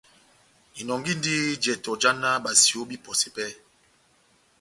Inɔngindi jɛtɔ já náh basiyo bahipɔse pɛhɛ.